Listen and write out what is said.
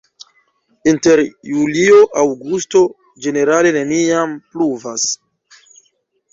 Inter julio-aŭgusto ĝenerale neniam pluvas.